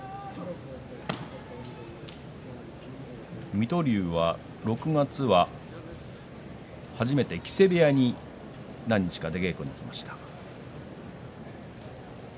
水戸龍は６月は初めて木瀬部屋に何日か出稽古に行きました。